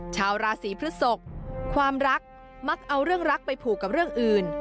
ชาวราศีพฤศกความรักมักเอาเรื่องรักไปผูกกับเรื่องอื่น